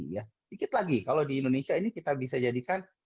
sedikit lagi kalau di indonesia ini kita bisa jadikan